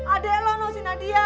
adek lo noh si nadia